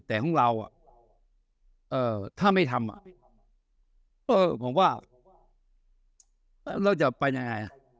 แต่ของเราอ่ะเอ่อถ้าไม่ทำอ่ะเออผมว่าเราจะไปไหนไงอ่ะ